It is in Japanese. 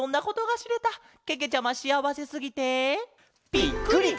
ぴっくり！